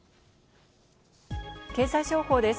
経済情報です。